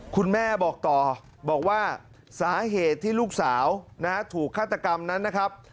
คุณแม่บอกต่อบอกว่าสาเหตุที่ลูกสาวถูกฆาตกรรมนั้นนะครับ